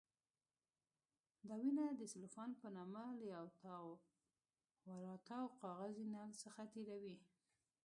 دا وینه د سلوفان په نامه له یو تاوراتاو کاغذي نل څخه تېروي.